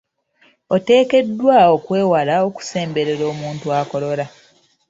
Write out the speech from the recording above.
Oteekeddwa okwewala okusemberera omuntu akolola.